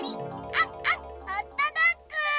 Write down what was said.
ワンワンホットドッグ！